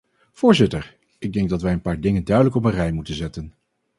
Voorzitter, ik denk dat wij een paar dingen duidelijk op een rij moeten zetten.